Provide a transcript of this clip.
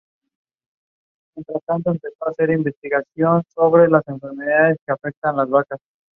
La disposición en planta respira un cierto clasicismo, por la simetría adoptada.